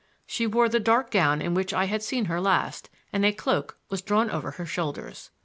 She wore the dark gown in which I had seen her last, and a cloak was drawn over her shoulders.